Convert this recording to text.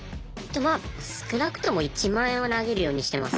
まあ少なくとも１万円は投げるようにしてます。